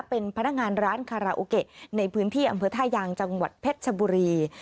เป็นพนักงานร้านคาราโอเกะในพื้นที่อำเภอท่ายางจังหวัดเพชรชบุรี